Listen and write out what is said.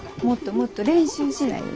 もっともっと練習しな」